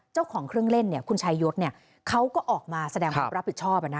เจ้าของเครื่องเล่นคุณชายศเขาก็ออกมาแสดงความรับผิดชอบ